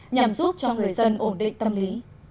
nhằm giúp cho người dân ổn định tâm lý